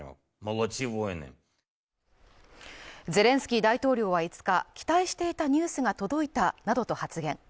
ゼレンスキー大統領は５日、期待していたニュースが届いたなどと発言。